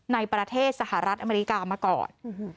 ในประเทศสหรัฐอเมริกามาก่อน